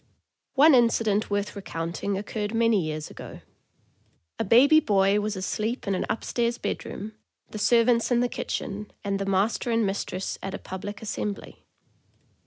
One incident worth recounting occurred many years ago. A baby boy was asleep in an upstairs bedroom, the serv ants in the kitchen, and the master and mistress at a pub lic assembly.